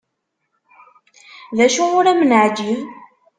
D acu ur am-neεǧib?